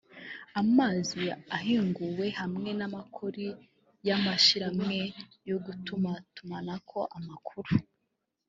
amazi ahinguwe hamwe n’amakori y’amashiramwe y’ugutumatumanako amakuru